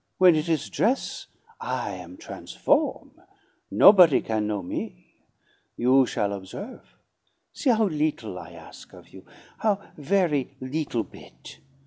"When it is dress', I am transform nobody can know me; you shall observe. See how little I ask of you, how very little bit.